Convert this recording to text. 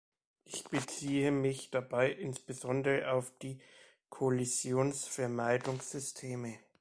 Ich beziehe mich dabei insbesondere auf die Kollisionsvermeidungssysteme.